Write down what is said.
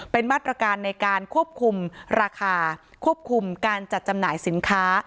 เป็นมาตรการในการควบคุมราคาควบคุมการจัดจำหน่ายสินค้า